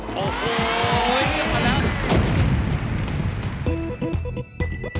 โอ้โหยิ่งมาแล้ว